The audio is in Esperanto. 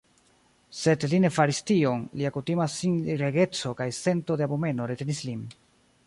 Sed li ne faris tion; lia kutima sinregeco kaj sento de abomeno retenis lin.